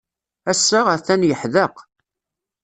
Ass-a, atan yeḥdeq.